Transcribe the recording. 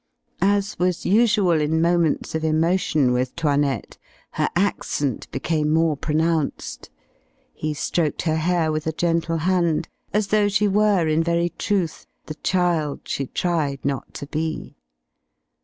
As was usual in moments of emotion with 'Toinette, her accent became more pronounced. He stroked her hair with a gentle hand, as though she were in very truth the child she tried not to be.